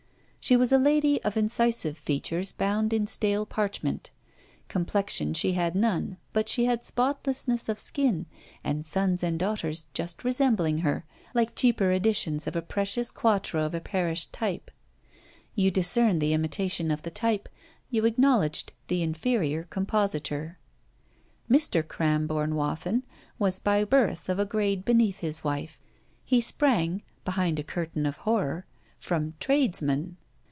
She was a lady of incisive features bound in stale parchment. Complexion she had none, but she had spotlessness of skin, and sons and daughters just resembling her, like cheaper editions of a precious quarto of a perished type. You discerned the imitation of the type, you acknowledged the inferior compositor. Mr. Cramborne Wathin was by birth of a grade beneath his wife; he sprang (behind a curtain of horror) from tradesmen.